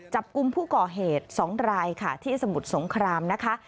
จับกลุ่มผู้ก่อเหตุ๒รายค่ะที่สมุทรสงครามนะคะ